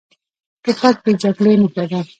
توپک د جګړې نښه ده.